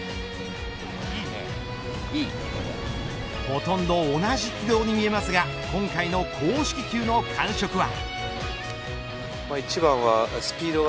ほとんど同じ軌道に見えますが今回の公式球の感触は。